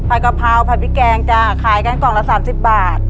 กะเพราผัดพริกแกงจ้ะขายกันกล่องละ๓๐บาท